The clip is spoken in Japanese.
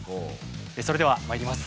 それではまいります。